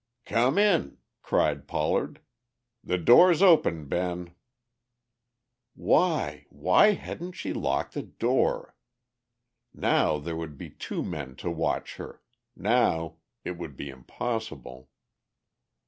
"Come in," called Pollard. "The door's open, Ben." Why, why hadn't she locked the door? Now there would be two men to watch her, now it would be impossible...